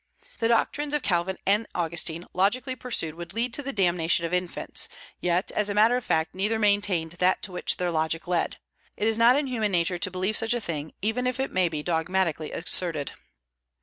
The doctrines of Calvin and Augustine logically pursued would lead to the damnation of infants; yet, as a matter of fact, neither maintained that to which their logic led. It is not in human nature to believe such a thing, even if it may be dogmatically asserted.